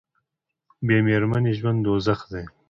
بې میرمنې ژوند دوزخ دی